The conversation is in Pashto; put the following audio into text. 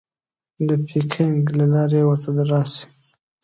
د پیکنګ له لارې ورته راسې.